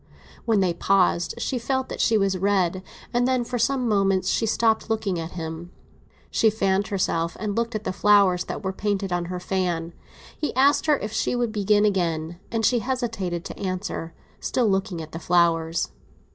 When they paused she felt that she was red; and then, for some moments, she stopped looking at him. She fanned herself, and looked at the flowers that were painted on her fan. He asked her if she would begin again, and she hesitated to answer, still looking at the flowers.